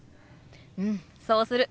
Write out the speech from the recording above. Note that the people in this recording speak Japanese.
うんそうする！